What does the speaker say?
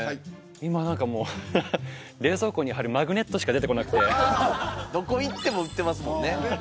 今何かもう冷蔵庫にはるマグネットしか出てこなくてどこ行っても売ってますもんね